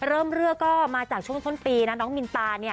เริ่มเรื่อก็มาจากช่วงช่วงปีน้องมินตราเนี่ย